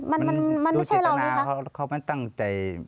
มันไม่ใช่เรานี่คะมันดูจิตนาเขาไม่ตั้งใจ